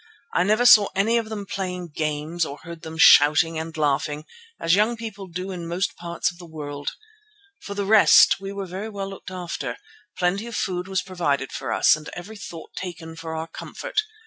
I never saw any of them playing games or heard them shouting and laughing, as young people do in most parts of the world. For the rest we were very well looked after. Plenty of food was provided for us and every thought taken for our comfort.